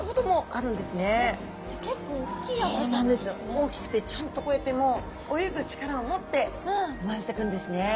大きくてちゃんとこうやってもう泳ぐ力を持って産まれてくるんですね。